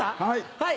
はい。